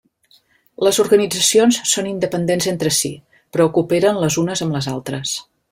Les organitzacions són independents entre si, però cooperen les unes amb les altres.